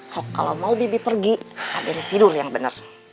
sok kalau mau bebe pergi adennya tidur yang bener